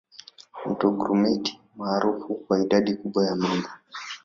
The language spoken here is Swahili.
Mto Grumeti maarufu kwa idadi kubwa ya mamba